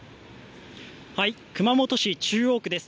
熊本市中央区です。